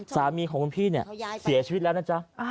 สามีของคุณพี่เนี่ยเสียชีวิตแล้วนะจ๊ะ